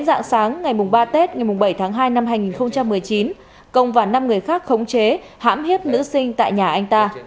dạng sáng ngày ba tết ngày bảy tháng hai năm hai nghìn một mươi chín công và năm người khác khống chế hãm hiếp nữ sinh tại nhà anh ta